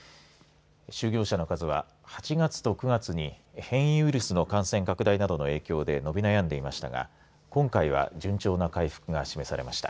就業者の数は８月と９月に変異ウイルスの感染拡大などの影響で伸び悩んでいましたが今回は順調な回復が示されました。